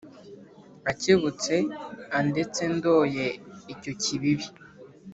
akebutse andetse ndoye icyo kibibi